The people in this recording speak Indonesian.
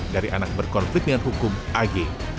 dari anak berkonflik dengan hukum ag